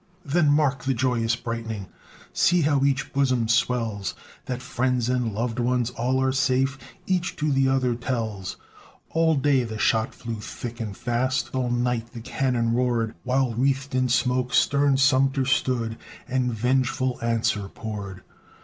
Then mark the joyous bright'ning; See how each bosom swells; That friends and loved ones all are safe, Each to the other tells. All day the shot flew thick and fast, All night the cannon roared, While wreathed in smoke stern Sumter stood And vengeful answer poured.